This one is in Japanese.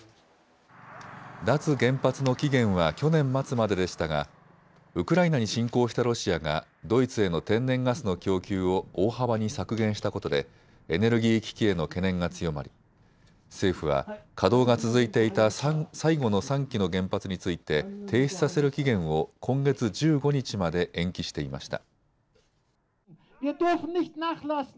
脱原発の期限は去年末まででしたが、ウクライナに侵攻したロシアがドイツへの天然ガスの供給を大幅に削減したことでエネルギー危機への懸念が強まり政府は稼働が続いていた最後の３基の原発について停止させる期限を今月１５日まで延期していました。